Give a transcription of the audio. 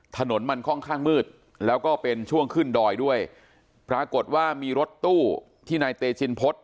ถนนมันค่อนข้างมืดแล้วก็เป็นช่วงขึ้นดอยด้วยปรากฏว่ามีรถตู้ที่นายเตชินพฤษ